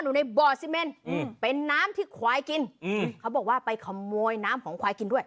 อยู่ในบ่อซีเมนอืมเป็นน้ำที่ควายกินอืมเขาบอกว่าไปขโมยน้ำของควายกินด้วย